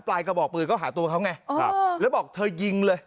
กระบอกปืนก็หาตัวเขาไงครับแล้วบอกเธอยิงเลย